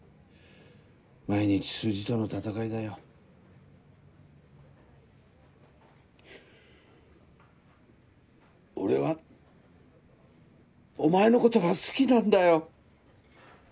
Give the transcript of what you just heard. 毎日数字との闘いだよ。俺はお前のことが好きなんだよ。